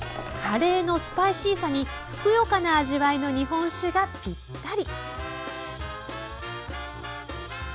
カレーのスパイシーさにふくよかな味わいの日本酒がぴったり。